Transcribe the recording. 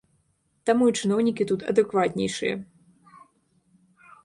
Таму і чыноўнікі тут адэкватнейшыя.